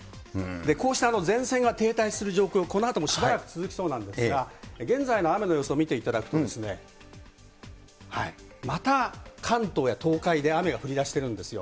こうした前線が停滞する状況、このあともしばらく続きそうなんですが、現在の雨の様子を見ていただくと、また、関東や東海で雨が降りだしているんですよ。